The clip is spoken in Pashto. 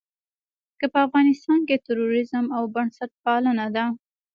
که په افغانستان کې تروريزم او بنسټپالنه ده.